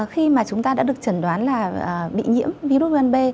khi mà chúng ta đã được chẩn đoán là bị nhiễm virus gan b